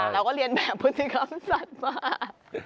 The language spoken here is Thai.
เราก็เรียนแบบพฤติกรรมสัตว์มาก